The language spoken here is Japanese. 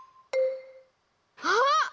あっ！